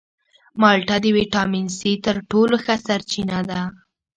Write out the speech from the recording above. مالټه د ویټامین سي تر ټولو ښه سرچینه ده.